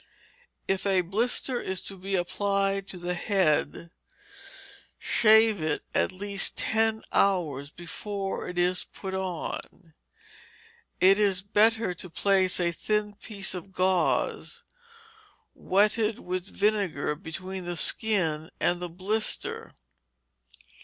_ If a blister is to be applied to the head, shave it at least ten hours before it is put on; it is better to place a thin piece of gauze, wetted with vinegar, between the skin and the blister.